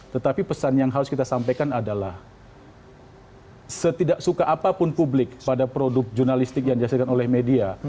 tetapi pesan yang harus kita sampaikan adalah setidak suka apapun publik pada produk jurnalistik yang dihasilkan oleh media